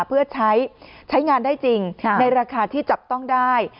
เพื่อใช้งานได้จริงในราคาที่จับต้องได้